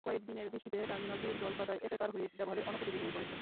কয়েক দিনের বৃষ্টিতে টার্মিনালটি জলকাদায় একাকার হয়ে ব্যবহারের অনুপযোগী হয়ে পড়েছে।